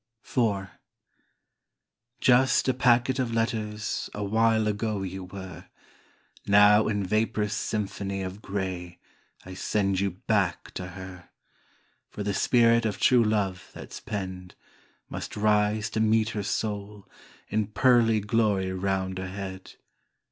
DAY DREAMS IV Just a packet of letters a while ago you were, Now in vaprous symphony of gray I send you back to her, For the spirit of true love that's penned, Must rise to meet her soul In pearly glory 'round her head.